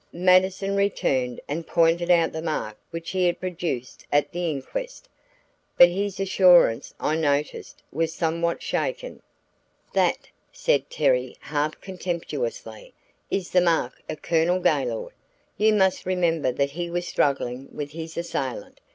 Mattison returned and pointed out the mark which he had produced at the inquest, but his assurance, I noticed, was somewhat shaken. "That," said Terry half contemptuously, "is the mark of Colonel Gaylord. You must remember that he was struggling with his assailant.